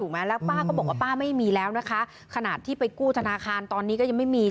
แล้วป้าก็บอกว่าป้าไม่มีแล้วนะคะขนาดที่ไปกู้ธนาคารตอนนี้ก็ยังไม่มี